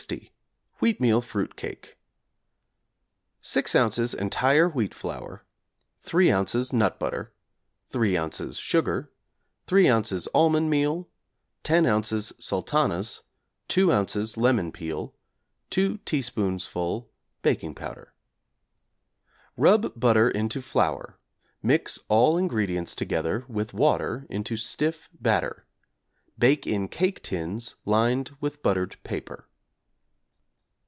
CAKES =60. Wheatmeal Fruit Cake= 6 ozs. entire wheat flour, 3 ozs. nut butter, 3 ozs. sugar, 3 ozs. almond meal, 10 ozs. sultanas, 2 ozs. lemon peel, 2 teaspoonsful baking powder. Rub butter into flour, mix all ingredients together with water into stiff batter; bake in cake tins lined with buttered paper.